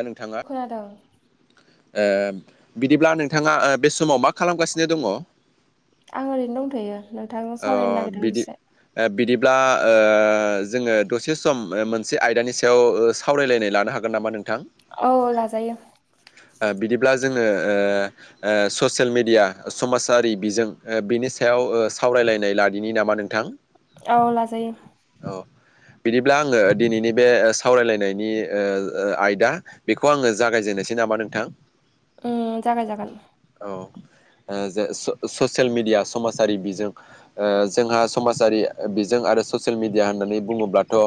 दा नोंथाङा खोनादों ओ बिदिब्ला नोंथाङा ओ बे समाव मा खालामगासिनो दङ आं ओरैनो दंथ'यो नोंथांजों अ सावरायनो नागिरदों बिदि दसे ओ बिदिब ब्ला ओ जोङो दसे सम ओम मोनसे आयदानि सायाव सावरायलायनाय लानो हागोन नामा नों औ लाजायो ब्ला जोङो ओ ओ ससियेल मेडिया समाजारि बिजों बिनि सायाव ओ सो सावरायलायनाय लादिनि नामा नोंथां औ लाजायो अ बिदिब्ला आङो दिनैनि बे सावरायलायनायनि ओ ओ आयदा बेखौ आङो जागायजेननोसै नामा नोंथां उम जागाय जागोन ओ जे स ससियेल मिडिया समाजारि बिजों ओ जोंहा समाजारि बिजों आरो ससियेल मिडिया होननानै बुङोब्लाथ' ओ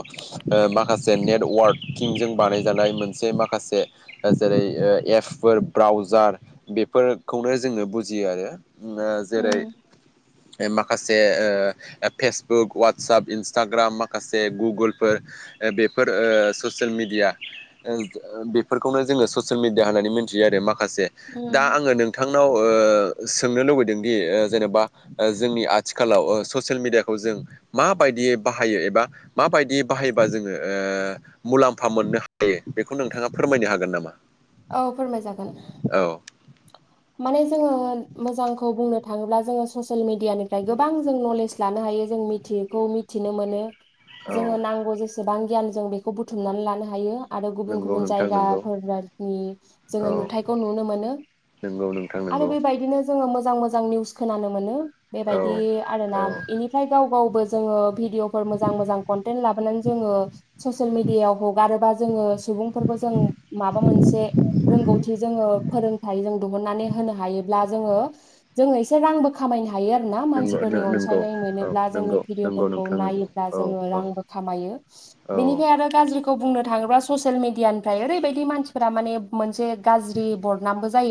माख खासे नेटवार्किंजों बानायजानाय मोनसे माखासे ओ जेरै ओ एपफोर ब्रा व्राजार बेफोरखौनो जोङो बुजियो आरो उम जेरै उम ओ माखासे ओ फेसबुक वाटसाप इन्सटाग्राम माखासे गुगोलफोर ओ बेफोर ओ ससियेल मिडिया ओ ओ बेफोरखौनो जोङो ससियेल मिडिया होननानै मिथियो आरो माख खासे दा उम आङो नोंथांनाव ओ सोंनो लुबैदों दि ओ जेनेबा ओ जोंनि आथिखालाव ओ ससियेल मिडियाखौ जों मा बायदियै बाहायो एबा माबायदियै बाहाय बा जोङो ओ मुलाम्फा मोननो हायो बेखौ नोंथाङा फोरमायनो हागोन नामा औ फोरमाय जागोन औ माने जोङो मोजांखौ बुंनो थाङोब्ला जोङो ससियेल मिडियानिफ्राय गोबां जों नलेज लानो हा यो जों मिथियैखौ मिथिनो मोनो औ जोङो नांगौ जेसेबां गियान जों बेखौ बुथुमनानै लानो हायो आरो गुबुन नंगौ गुबुन नोंथां नंगौ जायगाफोरानि औ जोङो नुथायखौ नुनो मोनो नंगौ नोंथां आरो नंगौ बेबायदिनो जोङो मोजां मोजां निउस खोनानो मोनो औ बेबायदि आरोना औ इनिफ्राय गाव गावबो जोङो भिडिअफोर मोजां मोजां कन्टेन लाबोनानै जों जोङो ससियेल मिडियायाव हगारोबा जोङो सुबुंफोरखौ जों माबा मोनसे रोंगौथि जोङो फोरोंथाइ जों द अन्नानै होनो हायोब्ला जोङो जोङो इसे रांबो खामायनो हा हायो आरो ना नंगौ मानसिफोरनि नंगौ अनसायनाय औ मोनोब्ला जोंनि नंगौ नंगौ भिडिअफोरखौ नोंथां नंगौ नायोब्ला औ जोङो औ रांबो खामायो यो औ बेनिफाय आरो गाज्रि खौ बुंनो थाङोबा ससियेल मिडियानिफ्राय ओरैबायदि मानसिफोरा माने मोनसे गाज्रि बरनामबो जा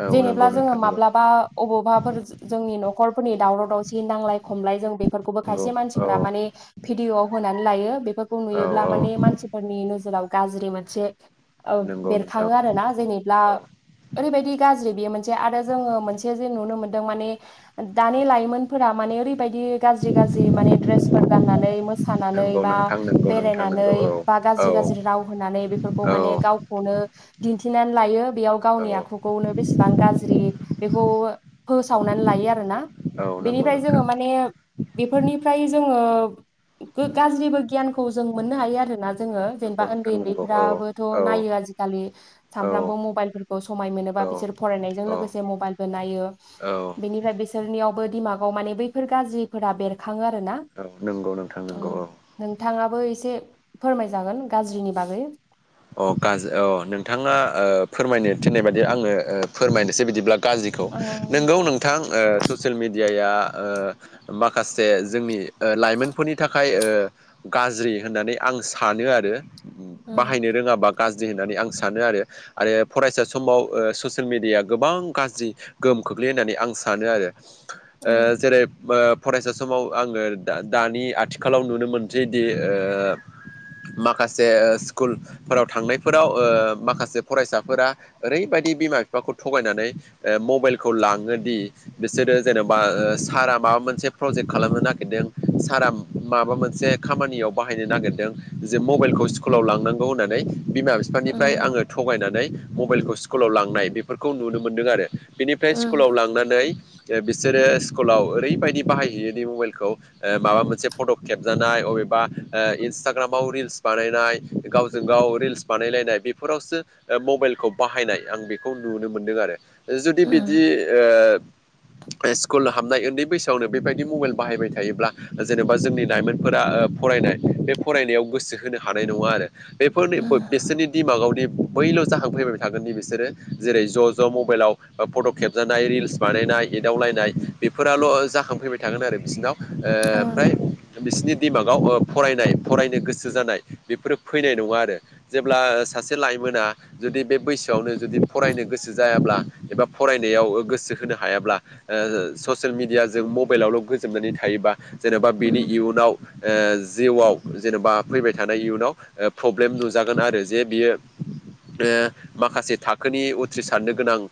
औ नंगौ जेनेब्ला जोङो नोंथां नंगौ माब्लाबा अबावबाफोर जों जोंनि न'खरफोरनि दावराव जि नांलाय खमलाय जों बेफोरखौबो नंगौ खायसे औ मानसिफ्रा माने भिदिअयाव होनानै लायो बेफोरखौ औ नुयोब्ला औ माने मानसिफोरनि नोजोराव गाज्रि मोनसे ओं नंगौ नोंथां बेरखाङो आरोना जेनेब्ला औ ओरैबायदि जि बियो मोनसे आरो जोङो मोनसे जे नुनो मोन्दो माने दानि लाइमोनफोरा माने ओरै बायदि गाज्रि गाज्रि माने द्रेसफोर गाननानै मोस सानानै नंगौ बा नोंथां नंगौ नोंथां नंगौ बेरायनानै औ बा औ गाज्रि गाज्रि राव होनानै बेफोरखौ औ माने गावखौनो दिन्थिनानै लायो बेयाव औ गावनि आखु खौनो बेसेबां गाज्रि बेखौ फोसावनानै लायो आरोना औ नंगौ बेनिफ्राय जोङो नोंथां माने बेफोरनिफ्राय जोङो गाज्रिबो गियानखौ जों मोननो हायो आरो ना औ जोङो जेनबा नंगौ ओन्दै नोंथां नंगौ औ ओन्दैफोराबोथ' औ नायो आजिखालि सानफ्रामबो मबाइलफोरखौ समाय मोनो औ बा बिसोर फरानायजों लोगोसे मबाइलबो नायो औ बिनिफ्राय बिसोरनियावबो दिमाग औ मानि बैफोर गाज्रिफोरा बेरखांङो आरो ना औ नंगौ नोंथां ओ नंगौ औ नोंथाङाबो एसे फोरमाय जागोन गाज्रिनि बागै अ गाज्रि अ नोंथाङा ओ फोरमायनो थिननाय बायदि आङो ओ फोरमायनोसै बिदिब्ला गाज्रिखौ उम नोंगौ नोंथां ओ‌ ससियेल मेडियाया ओ माखासे जोंनि ओ लाइमोनफोरनि थाखाय ओ गाज्रि होननानै आं सानो आरो ओम गाबा गाज्रि होननानै आं सानो आरो आरो फरायसा समाव ससियेल मेडियाया गोबां गाज्रि गोहोम खोख्लैयो होननानै आं सानो आरो उम ओ जेरै' बो फरायसा समाव आङो दा दानि आथिखालाव नुनो मोनसैदि ओ माखासेस स्कुल फोराव थांनायफोराव ओ माखासे फरायसाफोरा ओरै बायदि बिमा बिफाखौ थगायनानै ओ मबाइलखौ लाङोदि बिसोरो जेनोबा ओ सारा माबा मोनसे प्रजेक्ट खालामनो ना गिरदों सारा माबा मोनसे खामानियाव बाहायनो नागिरदों जे मबाइलखौ स्कुलाव लां नांगौ होनानै बिमा बिफानिफ्राय उम आङो थगायनानै मबाइलखौ स्कुलाव लांनाय बेफोरखौ नुनो मोनदों आरो बेनिफ्राय उम स्कुलाव लांनानै जे बिसोरो स्कुलाव ओरैबायदि बाहायहैयो दि मबाइलखौ ओ माबा मोनसे फट' खेबजानाय अबेबा बा ओ इन्सटाग्रामाव रिल्स बानायनाय गावजों गाव रिल्स बानायलायनाय बेफोरावसो ओ मबाइलखौ बाहायनाय आं बेखौ नुनो मोनदों आरो जुदि उम, बिदि‌ ओ स्कुल हाबनाय उन्दै बैसोआवनो बेबायदि मबाइल बाहायबाय थायोब्ला जेनोबा जोंनि लाइमोनफोरा ओ फरायनाय बे फरायनायाव गोसो होनो हानाय नङा आरो बेफोरनि उम, बिसोरनि दिमागावनि बैल' जाहांफैबाय थागोन बिसोरो जेरै' ज' ज' मबाइलाव फट' खेबजानाय रिल्स बानायनाय नाय एदावलायनाय बेफोराल' जाखांफैबाय थागोन आरो बिसिनाव ओ औ आमफाय बिसिनि दिमागाव ओ फरायनाय फरायनो गोसो जानाय बेफोरो फैनाय नङा आरो जेब्ला सासे लाइमोना जुदि बे बैसोआवनो जुदि फरायनो गोसो जाया ब्ला एबा फरायनायाव ओ गोसो होनो हायाब्ला ओ ससिल मिडिया जों मबाइलावल' गोजोमनानै नै थायोबा जेनेबा बिनि उम, इयुनाव ओ जिउआव जेनेबा फैबाय थानाय इयुनाव ओ प्रब्लेम नुजागोन आरो जे बियो ओ माखासे थाखोनि उथ्रिसारनो गोनां ओ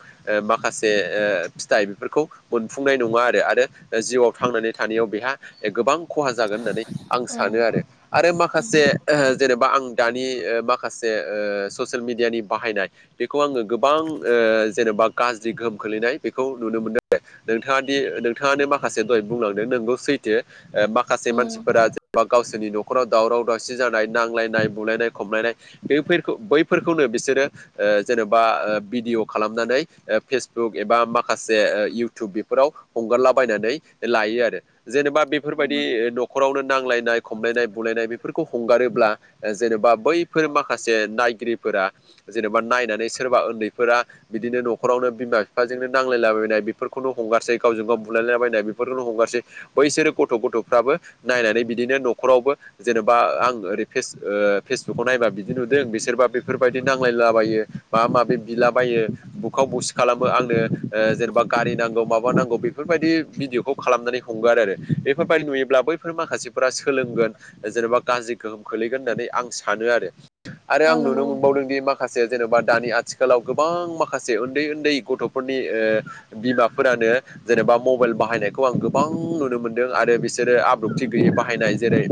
माखासे ओ फिथाइ बेफोरखौ खौ मोनफुंनाय नंआ आरो आरो ओ जिउआव थांनानै थानायाव बेहा ओ गोबां खहा जागोन होननानै आं सानो उम, आरो आरो माखासे उम, ओ जेनेबा आं दानि ओ माखासे जे ओ ससियेल मिडियानि बाहायनाय बेखौ आङो गोबां ओ जेनेबा गाज्रि गोहोम खोलै नाय बेखौ नुनो मोनदों नोंथांआ दि नोंथाआनो माखासे दहाय बुंलांदों नंगौ सैथो माखासे उम, मानसिफोरा जेनेबा गावसोरनि न'खराव दावराव दावसि जानाय नांलायनाय बुलायनाय खमलायनाय बेफोरखौ बैफोरखौनो बिसोरो ओ जेन'बा ओ बिदि भिडिअ खालामनानै ओ‌‌ फेसबुक एबा माखासे ओ इउटुब बेफोराव हगारलाबायनानै लायो आरो जेनेबा बेफोरबायदि ओ न'खरावनो नांलायनाय खमलायनाय बुलायनाय बेफोरखौ हगारोब ब्ला ओ जेनेबा बैफोर माखासे नायगिरिफोरा जेनेबा नायनानै सोरबा उन्दैफोरा ओ बिदिनो न'खरावनो बिमा बिफाजोंनो नांलायलाबायनाय बेफोरखौनो हगारसै गावजों गाव बुलायलाबायनाय बेफोरखौनो हगारसै बैसोरो गथ' गथ'फ्राबो नायनानै बिदिनो न'खरावबो जेनेबा आं ओरै फेस ओ फेसबुकाव नायबा बिदि नुदों बिसोरबा बेफोरबायदि नांलायलाबायो माबा माबि बिलाबायो यो बुखाव बुसि खालामो आंनो ओ जेनेबा गारि नांगौ माबा नांगौ बेफोरबायदि भिडिअखौ खालामनानै हगारो आरो बेफोरबायदि नुयोब्ला बैफोर माखासेफोरा सोलोंगोन जेन'बा गाज्रिखौ गोहोम खोलैगोन होननानै आं सानो आरो‌ आरो औ आं नुनो नंगौ नोंथां मोनबावदों दि माखासे जेन'बा दानि आथिखालाव गोबां माखासे ओ उन्दै उन्दै गथ'फोरनि ओ बिमाफोरानो जेनेबा मबाइल बाहायनायखौ आं गोबां नुनो मोनदों आरो बिसोरो आब्रुथि गैयै बाहायनाय जेरै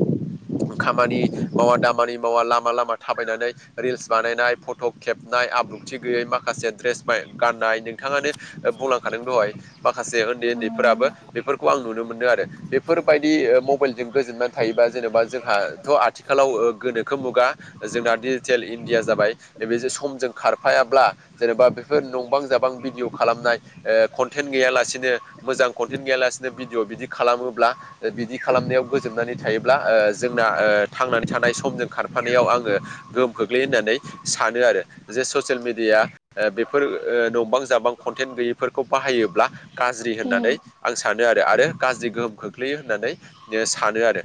खामानि मावा दामानि मावा लामा लामा थाबायनानै रिल्स बानायनाय फट' खेबनाय आब्रुथि गैयै माखासे माखासे द्रेस गाननाय नोंथांआनो बुंलांखादों दहाय माखासे उन्दै उन्दैफोराबो बे उम, बेफोरखौ आं नुनो मोनदों आरो बेफोरबायदि ओ मबाइलजों गोजोननानै थायोबा जेनेबा जोंहाथ' आथिखालाव ओ गोनोखो मुगा जोंना डिजिटेल इण्डिया जाबाय नैबे जे समजों खारफायाब्ला जेनेबा बेफोर नंबां जाबां भिडिअ खालामनाय ओ कनटेन्ट गैयालासेनो मोजां कन्टेट गैया लासिनो भिडिअ' बिदि खालामोब्ला बिदि खालामनाआव गोजोमनानै थायोब्ला ओ जोंना ओ थांनानै थानाय समजों खारफानायाव आङो गोहोम खोख्लैयो होननानै सानो आरो जे ससियेल मेडिया दा बेफोर ओ नंबां जाबां कनटेन्ट गैयैफोरखौ बाहायोब्ला गाज्रि होननानै उम, आं सानो आरो आरो गाज्रि गोहोम खोख्लैयो होननानै ओ सानो आरो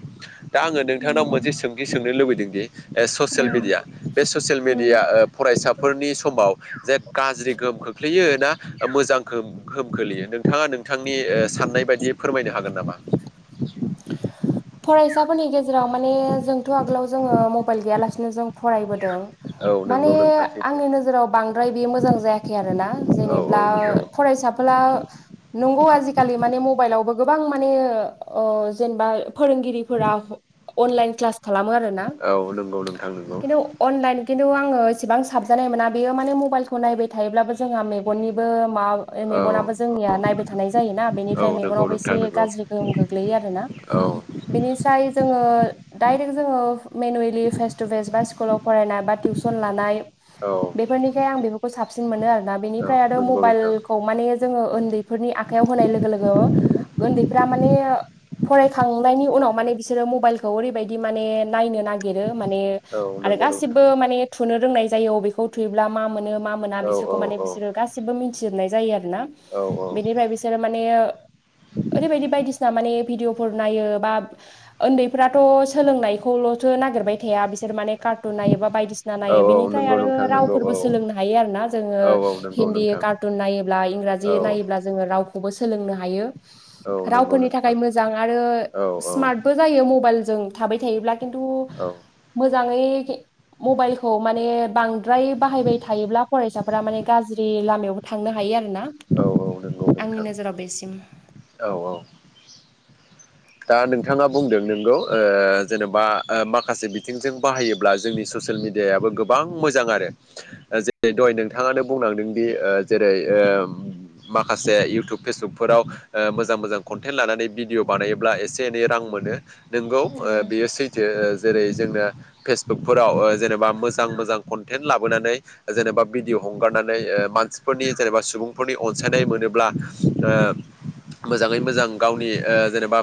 दा आङो नोंथांनाव नंगौ मोनसे नोंथां। सों थि सोंनो लुबैदोंदि ओ ससियेल मेडियाया उम, बे ससियेल मिडिआ उम। ओ फरायसाफोरनि समाव जे गाज्रि गोहोम खोख्लैयो ना मोजां गोहोम गोहोम खोलैयो नोंथांआ नोंथांनि ओ साननाय बायदियै फोरमायनो हागोन नामा? फरायसाफोरनि गेजेराव माने जोंथ' आगोलाव जोङो मबाइल गैयालासिनो जों फरायबोदों। औ माने नंगौ नोंथां सैथो आंनि नोजोराव बांद्राय बे मोजां जायाखै आरोना औ जेनेब्ला नंगौ फरायसाफोरा ब्ला नोंगौ आजि खालि माने मबाइलयवबो गोबां गोबां माने ओ जेनेबा फोरोंगिरिफोरा अनलाइन क्लास खालामो आरोना औ नंगौ नोंथां नंगौ किन्थु अनलाइन खिन्थु आङो इसेबां साबजानाय मोना बेयो माने मबाइलखौ नायबाय थायोब्लाबो जोंहा मेगननिबो माबा औ मेगनाबो जोंनिया औ नायबाय थानाय जायोना औ बेनिफ्राय नंगौ मेगनावबो एसे नोंथां नंगौ गाज्रि गोहोम गोग्लैयो आरोना। औ बिनिफस्राय जोङो डाइरेक्ट जोङो मेनुयेलि फेस टु फेस बा स्कुलाव फरायना बा टिउसन लानाय औ बेफोरनिखाय आं बेफोरखौ साबसिन मोनो आरोना बेनिफ्राय आरो नंगौ नोंथां मबाइलखौ माने जोङो उन्दैफोरनि आखाइयाव होनाय लोगो लोगो उन्दैफ्रा माने फरायखांनायनि उनाव माने बिसोरो मबाइलखौ ओरैबायदि माने नायनो नागिरो माने औ आरो नंगौ नोंथां गासिबो माने थुनो रोंनाय जायो बेखौ थुयोब्ला मा मोनो मा मोना औ औ बिसोरखौ माने औ बिसोरो गासिबो मिथिजोबनाय जायो आरो ना औ बेनिफ्राय बिसोरो माने ओरैबायदि बायदिसिना माने भिडअ फोर‌ नायो बा उन्दैफ्राथ' सोलोंनायखौलथ' नागिरबाय थाया बिसोर माने कार्टुन नायो बा बायदिसिना औ नायो औ बेनिफ्राय नंगौ आरो नोंथां नंगौ रावफोरबो औ सोलोंनो हायो आरो ना जोङो औ औ नंगौ हिन्दी नोंथां कार्टुन नायोब्ला इंराजि औ नायोब्ला जोङो रावखौबो सोलोंनो हायो। औ नंगौ रावफोरनि थाखाय नोंथां। मोजां आरो औ स्मार्टबो जायो मबाइल जों थाबाय थायोब्ला खिन्थु औ मोजाङै [unintelligible] मबाइलखौ माने बांद्राय बाहायबाय थायोब्ला फरायसाफोरा माने गाज्रि लामायावबो थांनो हायो। ना औ नंगौ आंनि नोंथां नोजोराव बेसिम औ औ दा नोंथाङा बुंदों नोंगौ ओ जेनेबा माखासे बिथिंजों बाहायोब्ला जोंनि ससियेल मिडियाबो गोबां मोजां आरो जेरै दहय नोंथाङानो बुंलादोंदि जेरै ओ माखासे इउटुब फेसबुकफोराव मोजां मोजां कन्टेट लानानैनानै भिदिअ बानाय ब्ला एसे एनै रां मोनो नोंगौ उम बेयो सैथो जेरै जोंनो फेसबुकफोराव ओ जेनेबा मोजां मोजां कनटेन्ट लाबोनानै जेनेबा भिदिअ हगार नानै ओ‌मानसिफोरनि जेनेबा सुबुंफोरनि अनसायनाय मोनोब्ला ओ मोजाङै मोजां गावनि ओ जेनेबा ओ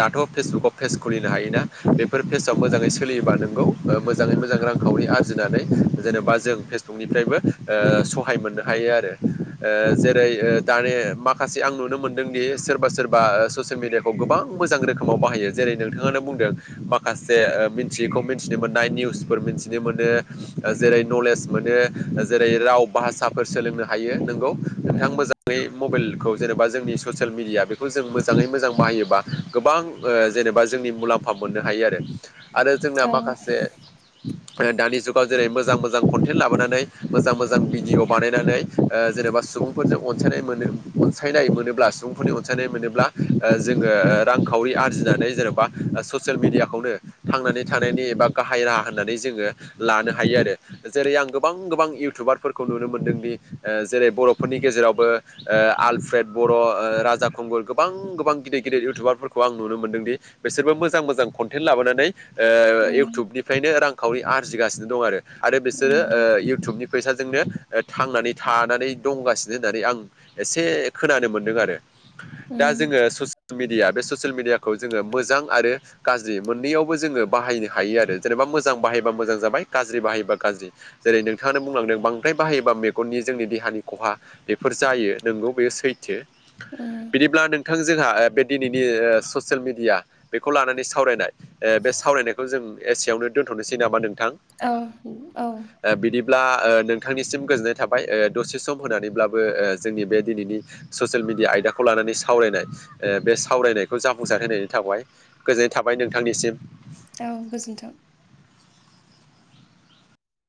दाथ' फेसबुकाव पेज खुलिनो हायोना बेफोर पेजाव मोजाङै उम सोलिबा नोंगौ मो मोजाङै मोजां रांखावरि आरजिनानै जेनेबा जों फेसबुकनिफ्रायबो ओ सहाय मोननो हायो आरो ओ जेरै ओ दानि माखासे आं नुनो मोनदोंदि सोरबा सोरबा ससियेल मिडियाखौ गोबां मोजां रोखोमाव बाहायो जेरै नोंथाङानो बुंदों माखासे मिथियिखौ मिथिनो मोन निउस फोर मिथिनो मोनो जेरै नलेज मोनो जेरै राव भासाफोर सोलोंनो हायो नोंगौ नोंथां उम मोजाङै मबाइलखौ जेनेबा जोंनि ससियेल मिडिया बेखौ जों मोजाङै मोजां बबा गोबां जेनेबा जोंनि मुलाम्फा मोननो हायो आरो आरो जोंना औ माखासे दानि जुगाव जेरै मोजां मोजां कन्टेन्ट लाबोनानै मोजां मोजां भिडिअ बानायनानै जेनेबा सुबुंफोरजों अनसायनाय मोनो अनसायनाय मोनोब्ला सुबुंफोरनि अनसायनाय मोनोब्ला जोङो रांखावरि आरजिनानै जेन'बा ससियेल मिडियाखौनो थांनानै थानायनि एबा गाहाय राहा होननानै जोङो लानो हायो आरो जेरै आं गोबां गोबां इउटुबारफोरखौ नुनो मोनदोंदि जेरै बर'फोरनि गेजेरावबो आलफ्र्रेद बर' राजा खुंगुर गोबां गिदिर गिदिर इउटुबारफोरखौ आं नुनो मोनदों दि बिसोरबो मोज जां मोजां कन्टेन्ट लाबोनानै उम इउटुबनिफ्रायनो रांखावरि आरजिगासिनो दं आरो आरो बिसोरो उम इउटुबनि फैसाजोंनो थांनानै थानानै दंगासिनो होननानै आं एसे खोनानो मोनदों आरो दा उम जोङो मिदिया बे ससियेल मिडियाखौ जोङो मोजां आरो गाज्रि मोननैयावबो जोङो बाहायनो हायो आरो जेनेबा मोजां बाहायबा मोजां जाबाय गाज्रि बाहायोबा गाज्रि जेरै नोंथाङानो बुंलांदों बांद्राय बाहायोबा मेगननि जोंनि दे खहा बेफोर जायो नोंगौ बे सैथो उम बिदिब्ला नोंथां जो जोंहा बे दिनैनि ओ ससियेल मेडिया बेखौ लानानै सावरायनाय ओ बे सावरायनायखौ जों एसेयावनो दोन्थ'नोसै नामा नों औ औ। ब्ला ओ नोंथांनिसिम गोजोननाय थाबाय ओ दसे सम होनानैब्लाबो जोंनि बे दिनैनि ससियेल मिडिया आयदाखौ लानानै सावरायनाय ओ बे सावरायनायखौ जाफुंसार होनायनि थाबाय गोजोननाय थाबाय नोंथांनिसिम। औ गोजोन्थों।